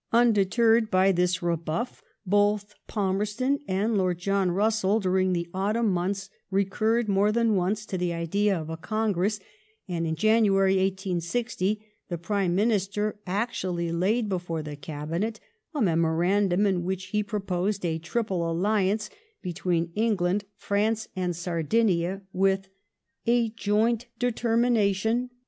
Undeterred by this rebu£r, both Palmersion and Lord John Bussell during the autumn months recurred more than once to the idea of a Congress, and in January 1860 the Prime Minister actually laid before the Cabinet a memorandum in which he proposed a triple alliance between Eng« land, France, and Sardinia, with "a joint determination LORD PALMEB8T0N AND IT4LY.